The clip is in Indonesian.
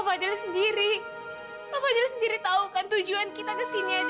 bukan dengan jarak seperti ini